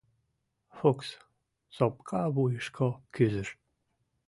Фукс сопка вуйышко кӱзыш.